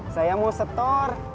saya mau setor